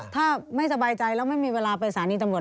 ถ้าไม่สบายใจแล้วไม่มีเวลาไปสถานีตำรวจ